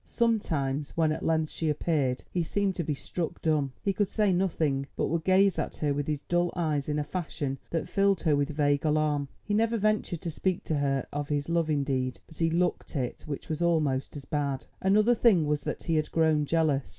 Sometimes when at length she appeared he seemed to be struck dumb, he could say nothing, but would gaze at her with his dull eyes in a fashion that filled her with vague alarm. He never ventured to speak to her of his love indeed, but he looked it, which was almost as bad. Another thing was that he had grown jealous.